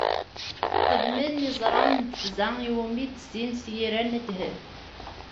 Xedmen iẓra n tefza iwumi i d-zzin s yiran n ddheb.